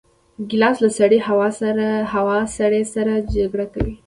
ګیلاس له سړې هوا سره جګړه کوي.